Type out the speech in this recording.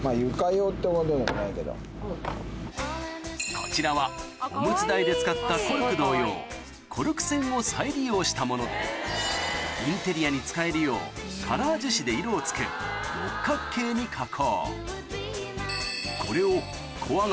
こちらはおむつ台で使ったコルク同様コルク栓を再利用したものでインテリアに使えるようカラー樹脂で色を付け六角形に加工